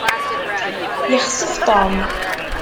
Yexsef Tom.